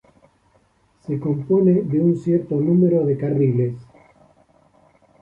Se compone de un cierto número de carriles.